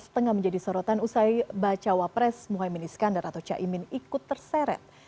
tengah menjadi sorotan usai bacawa pres muhaymin iskandar atau caimin ikut terseret